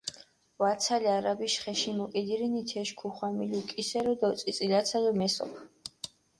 ვაცალ არაბის ხეში მოკიდირინი თეში, ქუხვამილუ კისერო დო წიწილაცალო მესოფჷ.